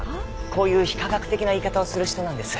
こういう非科学的な言い方をする人なんです。